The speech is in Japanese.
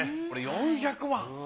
これ４００万。